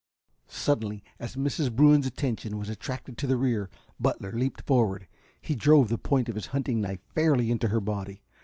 Suddenly, as Mrs. Bruin's attention was attracted to the rear, Butler leaped forward. He drove the point of his hunting knife fairly into her body.